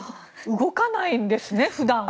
動かないんですね、普段は。